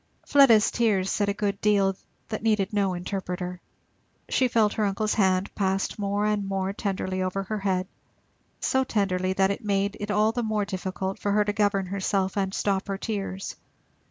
Fleda's tears said a good deal, that needed no interpreter. She felt her uncle's hand passed more and more tenderly over her head, so tenderly that it made it all the more difficult for her to govern herself and stop her tears.